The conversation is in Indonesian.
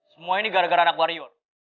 semua ini gara gara anak warior